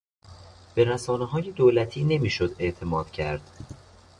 به رسانههای دولتی نمیشد اعتماد کرد.